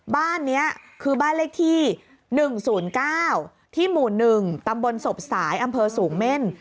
บ้านนี้คือบ้านเลขที่๑๐๙ที่หมู่๑ตำบลศพสายอำเภอสูงเม่น